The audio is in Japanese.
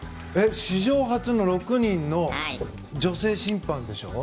史上初の６人の女性審判でしょう。